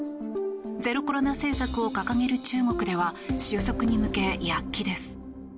ゼロコロナ政策を掲げる中国では収束に向け躍起です。